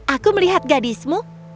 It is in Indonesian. aku melihat gadismu